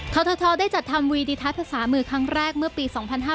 ททได้จัดทำวีดิทัศน์ภาษามือครั้งแรกเมื่อปี๒๕๕๙